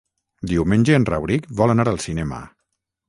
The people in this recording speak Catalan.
Diumenge en Rauric vol anar al cinema.